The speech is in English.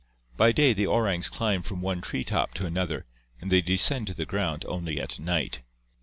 By day the orangs climb from one tree top to another and they descend to the ground only at night.